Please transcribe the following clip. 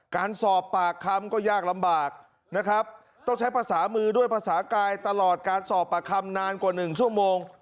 การสอบปากคำก็ยากลำบากนะครับต้องใช้ภาษามือด้วยภาษากายตลอดการสอบปากคำนานกว่า๑ชั่วโมง